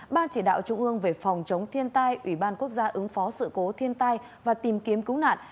ban chỉ đạo trung ương về phòng chống thiên tai ủy ban quốc gia ứng phó sự cố thiên tai và tìm kiếm cứu nạn